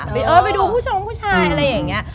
เออไปดูผู้ชมผู้ชายอะไรอย่างนี้